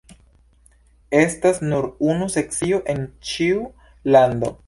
Estas nur unu sekcio en ĉiu lando.